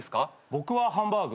僕もハンバーグ。